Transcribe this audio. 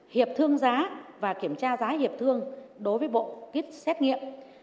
hiệp thương giá và kiểm tra giá hiệp thương đối với bộ kit xét nghiệm